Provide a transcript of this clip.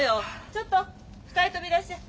ちょっと２人ともいらっしゃい。